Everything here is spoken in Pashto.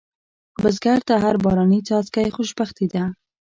بزګر ته هر باراني څاڅکی خوشبختي ده